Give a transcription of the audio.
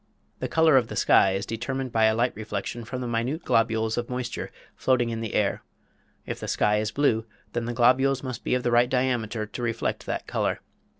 The color of the sky is determined by a light reflection from minute globules of moisture floating in the air. If the sky is blue, then the globules must be of the right diameter to reflect that color.